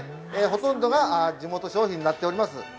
ほとんどが地元消費になっております。